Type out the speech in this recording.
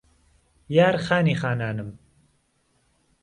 یار خانی خانانم